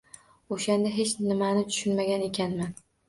— O‘shanda hech nimani tushunmagan ekanman!